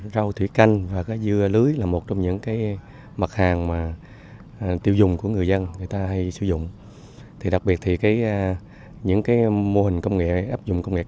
rau thủy canh và dưa lưới là một trong những mặt hàng tiêu dùng của người dân người ta hay sử dụng